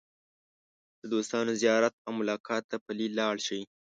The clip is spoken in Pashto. د دوستانو زیارت او ملاقات ته پلي لاړ شئ.